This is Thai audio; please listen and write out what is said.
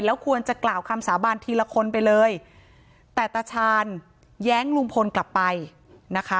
ควรจะกล่าวคำสาบานทีละคนไปเลยแต่ตาชาญแย้งลุงพลกลับไปนะคะ